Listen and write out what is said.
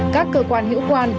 các cơ quan hữu quan